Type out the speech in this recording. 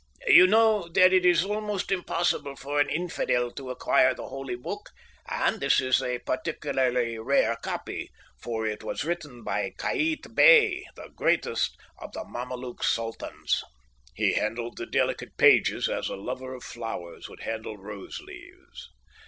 "You know that it is almost impossible for an infidel to acquire the holy book, and this is a particularly rare copy, for it was written by Kaït Bey, the greatest of the Mameluke Sultans." He handled the delicate pages as a lover of flowers would handle rose leaves.